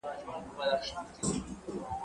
زه به سبا نان خورم؟!